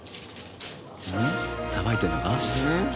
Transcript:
さばいてるのか？